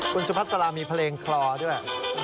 คุณสุภาษาลามีเพลงคลอด้วย